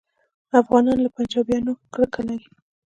افغانان له پنجابیانو کرکه لري